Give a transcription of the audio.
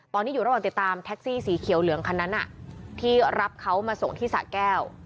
ตอนนี้อยู่ระหว่างติดตามแท็กซี่สีเขียวเหลืองคันนั้นที่รับเขามาส่งที่สะแก้ว